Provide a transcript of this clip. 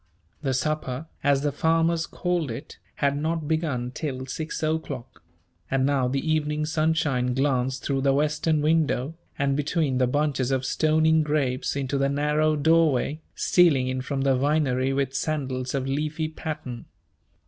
The supper as the farmers called it had not begun till six o'clock; and now the evening sunshine glanced through the western window, and between the bunches of stoning grapes into the narrow doorway, stealing in from the Vinery with sandals of leafy pattern.